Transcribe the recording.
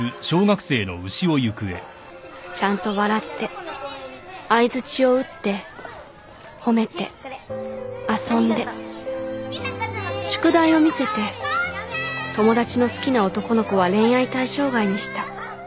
ちゃんと笑って相づちを打って褒めて遊んで宿題を見せて友達の好きな男の子は恋愛対象外にした